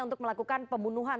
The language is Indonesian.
untuk melakukan pembunuhan